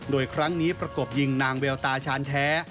โดยครั้งนี้ประกบยิงนางเวลตาชาญแท้